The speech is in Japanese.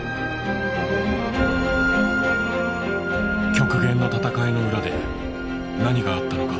極限の戦いの裏で何があったのか。